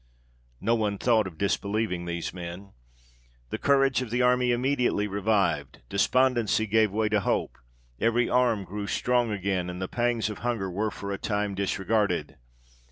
No one thought of disbelieving these men. The courage of the army immediately revived; despondency gave way to hope; every arm grew strong again, and the pangs of hunger were for a time disregarded.